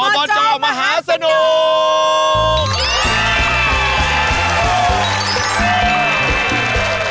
บจมหาสนุก